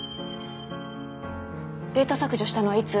データ削除したのはいつ？